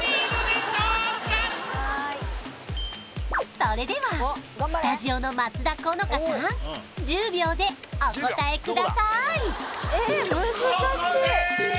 それではスタジオの松田好花さん１０秒でお答えくださーいええー